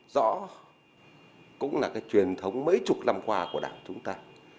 rõ cũng là cái truyền thống mấy chục năm qua của đảng chúng ta